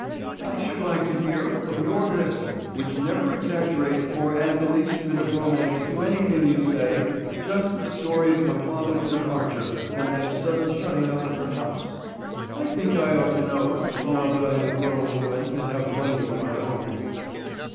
"I should like to hear from your lips, which never exaggerate or add the least bit of romance to anything you say, just the story of my father's departure and that sudden shutting up of the house. I think I ought to know now that I am a grown woman and have money of my own."